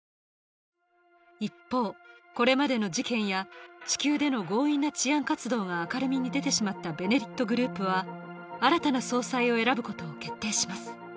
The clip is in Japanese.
一方これまでの事件や地球での強引な治安活動が明るみに出てしまった「ベネリット」グループは新たな総裁を選ぶことを決定します